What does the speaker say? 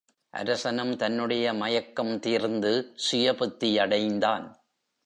அரசனும் தன்னுடைய மயக்கம் தீர்ந்து சுயபுத்தியடைந்தான்.